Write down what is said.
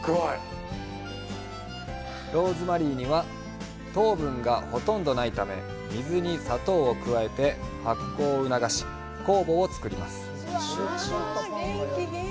ローズマリーには糖分がほとんどないため、水に砂糖を加えて発酵を促し酵母を作ります。